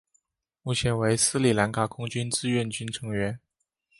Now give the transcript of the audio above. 目前为斯里兰卡空军志愿军成员。